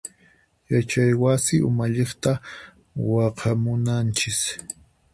Yachay wasi umalliqta waqhamunanchis.